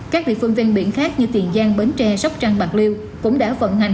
các địa phương ven biển khác như tiền giang bến tre sóc trăng bạc liêu cũng đã vận hành